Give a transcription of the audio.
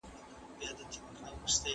په ځینو تعریفونو کي سړي سر ګټه هېره سوي ده.